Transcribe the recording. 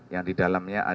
yang di dalamnya ada batu